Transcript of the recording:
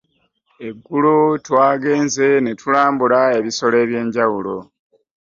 Eggulo twagenze netulambula ebisolo eby'enjawulo.